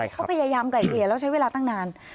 เขาพยายามไกลเกลี่ยแล้วใช้เวลาตั้งนาน